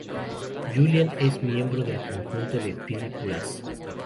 Julian es miembro del conjunto Phillip Glass.